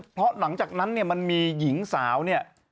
เพราะหลังจากนั้นเนี่ยมันมีหญิงสาวเนี่ย